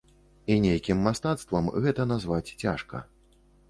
І нейкім мастацтвам гэта назваць цяжка.